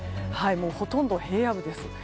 ほとんど平野部です。